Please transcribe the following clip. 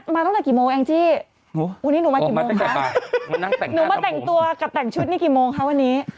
ตั้งแต่กี่โมงแองจี้วันนี้หนูมากี่โมงคะหนูมาแต่งตัวกับแต่งชุดนี่กี่โมงคะวันนี้